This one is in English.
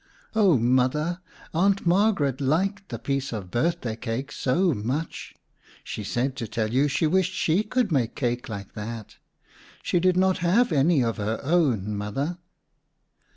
"Oh, Mother, Aunt Margaret liked the piece of birthday cake so much! She said to tell you she wished she could make cake like that. She did not have any of her own, Mother."